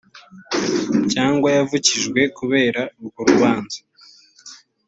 cyangwa yavukijwe kubera urwo rubanza